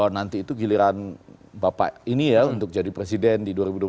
nanti itu giliran bapak ini ya untuk jadi presiden di dua ribu dua puluh empat